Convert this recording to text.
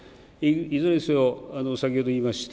いずれにせよ先ほどいいました。